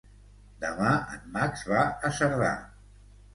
Demà en Max va a Cerdà.